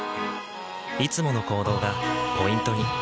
いつもの行動がポイントに。